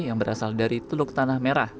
yang berasal dari teluk tanah merah